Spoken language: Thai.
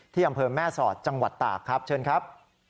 อำเภอแม่สอดจังหวัดตากครับเชิญครับ